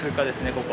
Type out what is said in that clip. ここ。